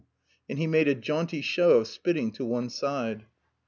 And he made a jaunty show of spitting to one side.